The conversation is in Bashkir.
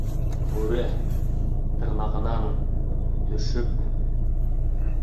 Бүре... тырнағынан... төшөп...